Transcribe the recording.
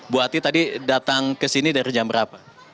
bu ati tadi datang ke sini dari jam berapa